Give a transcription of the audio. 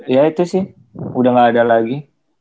ya itu sih udah gak ada lagi